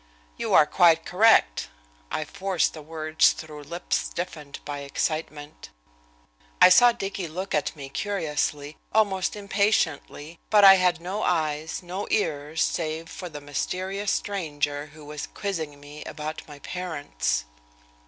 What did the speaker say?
"You are quite correct." I forced the words through lips stiffened by excitement. I saw Dicky look at me curiously, almost impatiently, but I had no eyes, no ears, save for the mysterious stranger who was quizzing me about my parents.